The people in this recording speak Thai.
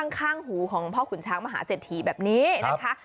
ข้างหูของพ่อขุนช้างมหาเศรษฐีแบบนี้นะคะ